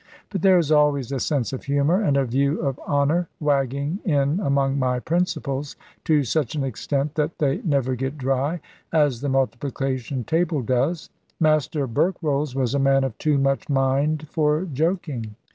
But there is always a sense of humour, and a view of honour, wagging in among my principles to such an extent that they never get dry, as the multiplication table does. Master Berkrolles was a man of too much mind for joking.